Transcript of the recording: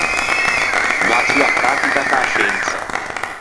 Vâ ciù a prattica che a sciensa.